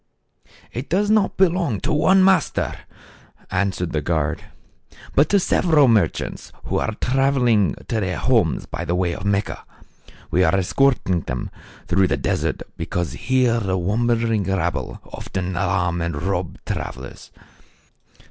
" ft does not belong to one master," answered the guard, "but to several merchants who are traveling to their homes by way of Mecca. We are escorting them through the desert because THE CARAVAN. 83 here the wandering rabble often alarm and rob travelers.